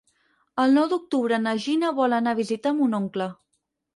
El nou d'octubre na Gina vol anar a visitar mon oncle.